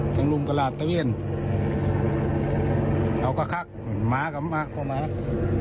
ทางลุงก็ลาดระเวนเอาก็คักหมากับหมากพวกหมาก